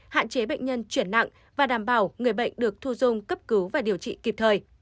hạn chế bệnh nhân chuyển nặng và đảm bảo người bệnh được thu dung cấp cứu và điều trị kịp thời